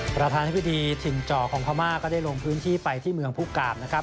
ประธานทฤษฎีถิ่นจอของพม่าก็ได้ลงพื้นที่ไปที่เมืองภูกราบ